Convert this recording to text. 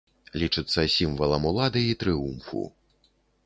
Лічыцца сімвалам улады і трыумфу.